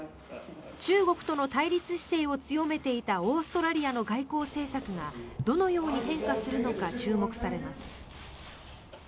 中国との対立姿勢を強めていたオーストラリアの外交政策がどのように変化するのか注目されます。